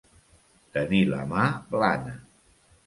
Tenir la mà blana.